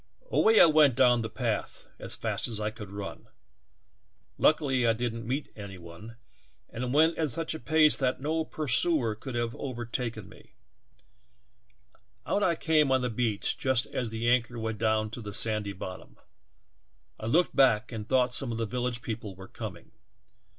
Away T went down the path as fast as I could run meet any one, and went that no pursuer could taken me. Out I came beach just as the anchor went down to the sandy bottom ; I looked back and thought some of the village people were coming.